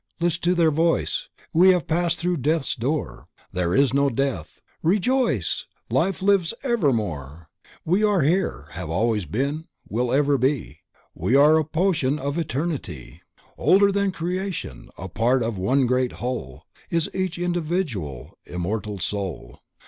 Lis't to their voice "we have passed through death's door There's no Death; rejoice! life lives evermore." We are, have always been, will ever be. We are a portion of Eternity Older than Creation, a part of One Great Whole, Is each Individual and immortal Soul.